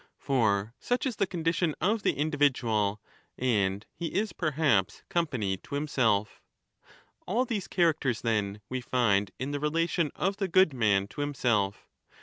(For such is the condition of the individual and he is perhaps company to himself) All these characters then ^ we find in the relation of the good man to himself.